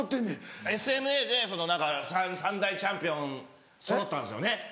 ＳＭＡで三大チャンピオンそろったんですよね。